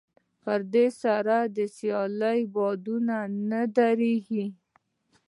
په دې سره د سيالۍ بادونه نه درېږي.